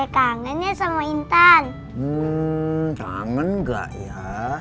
kangen ya sama intan kangen enggak ya